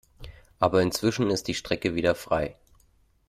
Aber inzwischen ist die Strecke wieder frei.